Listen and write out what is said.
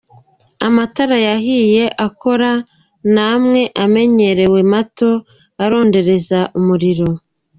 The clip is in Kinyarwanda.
Amatara yahiye akora ni amwe amenyerewe mato arondereza umuriro.